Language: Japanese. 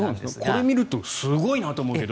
これを見るとすごいなと思うけど。